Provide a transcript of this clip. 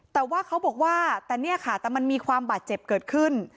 แต่ว่าเขาบอกว่าแต่เนี่ยค่ะแต่มันมีความบาดเจ็บเกิดขึ้น